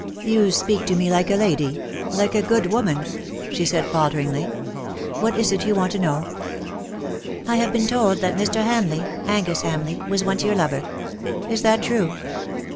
'' You speak to me like a lady — like a good woman/' she said, falteringly. " What is it you want to know T' " I have been told that Mr. Hamleigh — Angus Hamleigh — was once your lover. Is that true